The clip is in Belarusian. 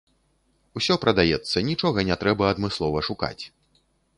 Усё прадаецца, нічога не трэба адмыслова шукаць.